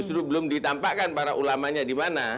justru belum ditampakkan para ulamanya di mana